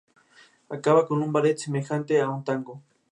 Acaba con un ballet semejante a un tango.